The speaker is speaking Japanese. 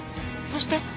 そして？